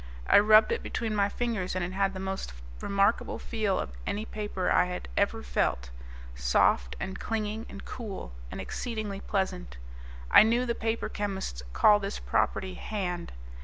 I rubbed it between my fingers, and it had the most remarkable feel of any paper I had ever felt soft and clinging and cool, and exceedingly pleasant. I knew the paper chemists called this property "hand."